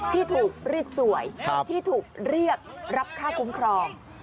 ที่ถูกเรียกสวยที่ถูกเรียกรับค่าคุ้มครอง